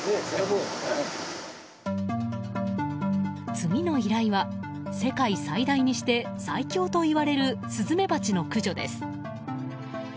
次の依頼は世界最大にして最凶といわれるスズメバチの駆除です。